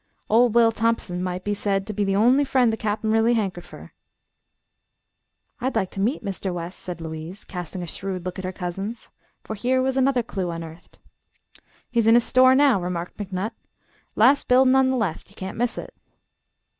Ol' Will Thompson might be said to be the on'y friend the Cap'n really hankered fer." "I'd like to meet Mr. West," said Louise, casting a shrewd look at her cousins. For here was another clue unearthed. "He's in his store now." remarked McNutt, "Last buildin' on the left. Ye can't miss it."